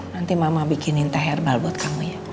nanti mama bikinin teh herbal buat kamu ya